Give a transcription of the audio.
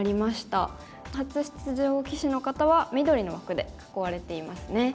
初出場棋士の方は緑の枠で囲われていますね。